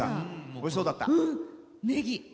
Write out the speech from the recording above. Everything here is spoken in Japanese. おいしそうだった。